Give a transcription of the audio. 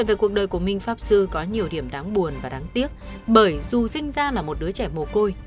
người của minh pháp sư có nhiều điểm đáng buồn và đáng tiếc bởi dù sinh ra là một đứa trẻ mồ côi